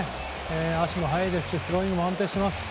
足も速いですしスローイングも安定してます。